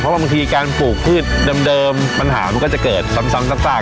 เพราะว่าบางทีการปลูกพืชเดิมมันหามันก็จะเกิดซ้ำซ้ำ